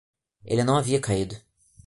Ele não havia caído